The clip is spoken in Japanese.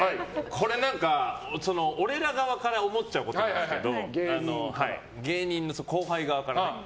これ俺ら側から思っちゃうことなんですけど芸人の後輩側からね。